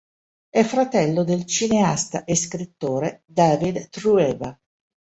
È fratello del cineasta e scrittore David Trueba.